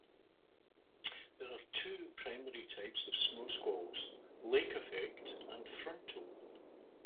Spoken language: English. There are two primary types of snowsqualls, lake effect and frontal.